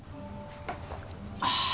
ああ！